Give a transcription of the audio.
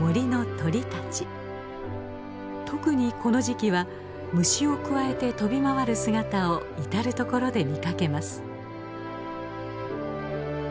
特にこの時期は虫をくわえて飛び回る姿を至る所で見かけます。